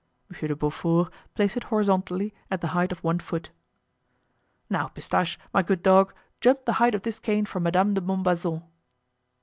Monsieur de Beaufort placed it horizontally at the height of one foot. "Now, Pistache, my good dog, jump the height of this cane for Madame de Montbazon."